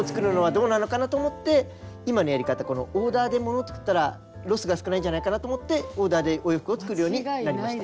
どうなのかなと思って今のやり方このオーダーで物作ったらロスが少ないんじゃないかと思ってオーダーでお洋服を作るようになりました。